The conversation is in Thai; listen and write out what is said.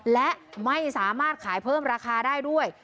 และไม่สามารถขายเพิ่มราคาได้ด้วย